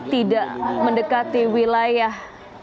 tidak mendekati wilayah